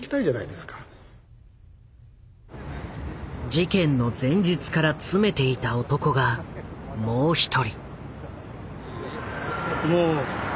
事件の前日から詰めていた男がもう一人。